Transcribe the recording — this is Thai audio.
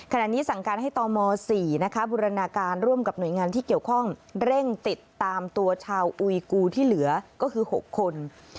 ขณะนี้สั่งการให้ตม๔บูรณาการร่วมกับหน่วยงานที่เกี่ยวข้องเร่งติดตามตัวชาวอุยกูที่เหลือก็คือ๖คน